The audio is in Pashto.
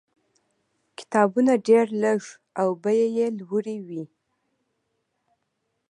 کتابونه ډېر لږ او بیې یې لوړې وې.